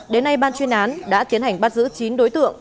đến nay ban chuyên án đã tiến hành bắt giữ chín đối tượng